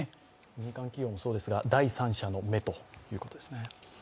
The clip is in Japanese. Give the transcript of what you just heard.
民間企業もそうですが、第三者の目ということですね。